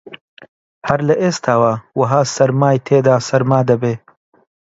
هەر لە ئێستاوە وەها سەرمای تێدا سەرما دەبێ